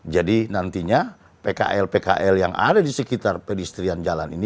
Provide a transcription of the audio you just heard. jadi nantinya pkl pkl yang ada di sekitar pedestrian jalan ini